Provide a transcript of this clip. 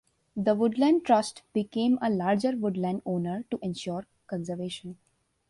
The Woodland Trust became a larger woodland owner to ensure conservation.